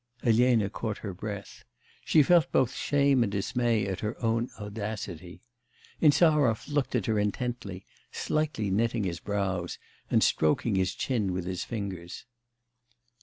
Elena caught her breath. She felt both shame and dismay at her own audacity. Insarov looked at her intently, slightly knitting his brows, and stroking his chin with his fingers.